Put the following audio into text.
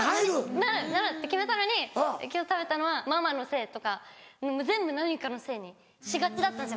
なるって決めたのに今日食べたのはママのせいとか全部何かのせいにしがちだったんですよ